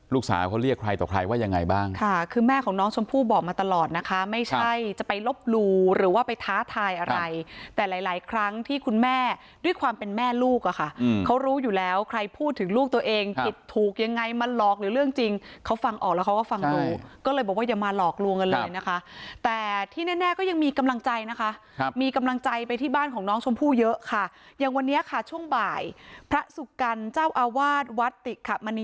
ลูกสาวเขาเรียกใครต่อใครว่ายังไงบ้างค่ะคือแม่ของน้องชมพู่บอกมาตลอดนะคะไม่ใช่จะไปลบรูหรือว่าไปท้าทายอะไรแต่หลายหลายครั้งที่คุณแม่ด้วยความเป็นแม่ลูกอะค่ะเขารู้อยู่แล้วใครพูดถึงลูกตัวเองผิดถูกยังไงมาหลอกหรือเรื่องจริงเขาฟังออกแล้วเขาก็ฟังรู้ก็เลยบอกว่าอย่ามาหลอกลวงกันเลยนะคะแต่ที่แน่ก็ยัง